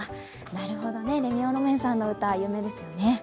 なるほどね、レミオロメンさんの歌有名ですよね。